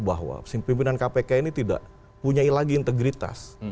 bahwa pimpinan kpk ini tidak punya lagi integritas